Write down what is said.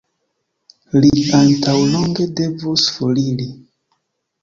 Li antaŭlonge devus foriri.